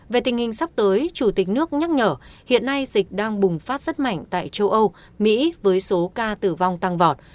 về tình hình sắp tới chủ tịch nước nhắc nhở hiện nay dịch đang bùng phát rất mạnh tại châu âu mỹ với số ca tử vong tăng vọt